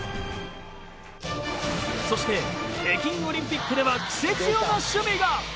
そして北京オリンピックではクセ強な守備が。